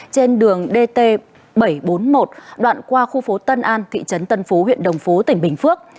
trên đường dt bảy trăm bốn mươi một đoạn qua khu phố tân an thị trấn tân phú huyện đồng phú tỉnh bình phước